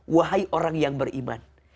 wahai orang yang beriman